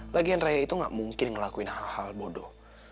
tapi raya tidak akan melakukan hal hal yang bodoh